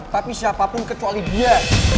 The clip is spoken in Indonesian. tapi siapapun kecuali dia